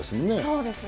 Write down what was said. そうですね。